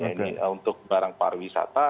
ini untuk barang pariwisata